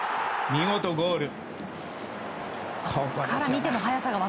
見事ゴール。